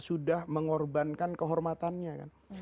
sudah mengorbankan kehormatannya kan